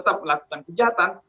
tetap melakukan kejahatan